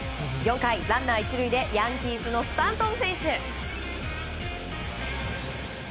４回、ランナー１塁でヤンキースのスタントン選手。